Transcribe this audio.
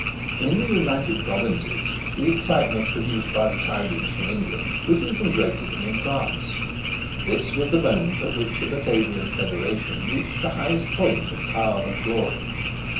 In the United Provinces the excitement produced by the tidings from England was even greater than in France. This was the moment at which the Batavian federation reached the highest point of power and glory.